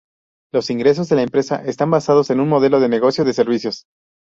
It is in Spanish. Los ingresos de la empresa están basados en un modelo de negocio de servicios.